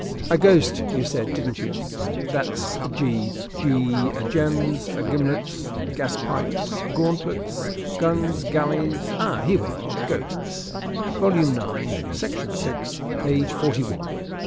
"A ghost you said, didn't you. That's G. G gems gimlets gaspipes gauntlets guns galleys. Ah, here we are! Ghosts. Volume nine, section six, page forty one.